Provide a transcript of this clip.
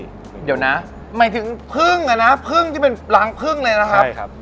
เดี๋ยวนะหมายถึงพึ่งอ่ะนะพึ่งที่เป็นรังพึ่งเลยนะครับใช่ครับ